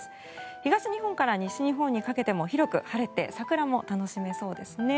東日本から西日本にかけても広く晴れて桜も楽しめそうですね。